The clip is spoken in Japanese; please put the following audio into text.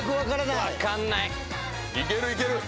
いけるいける！